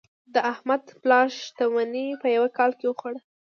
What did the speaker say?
احمد د پلار شتمني په یوه کال کې وخوړه.